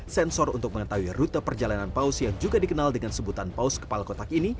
sensor untuk mengetahui rute perjalanan paus yang juga dikenal dengan sebutan paus kepala kotak ini